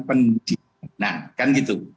penyelidikan nah kan gitu